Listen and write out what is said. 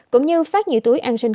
cũng như phát nhiều túi an sinh